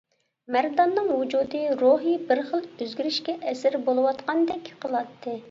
مەرداننىڭ ۋۇجۇدى، روھى بىر خىل ئۆزگىرىشكە ئەسىر بولۇۋاتقاندەك قىلاتتى.